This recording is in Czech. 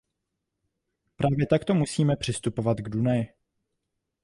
Právě takto musíme přistupovat k Dunaji.